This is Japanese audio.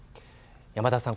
山田さん